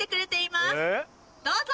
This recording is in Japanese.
どうぞ！